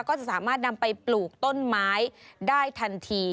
ก็จะสามารถนำไปปลูกต้นไม้ได้ทันที